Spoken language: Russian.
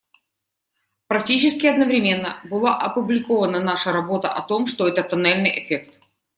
Практически одновременно была опубликована наша работа о том, что это тоннельный эффект.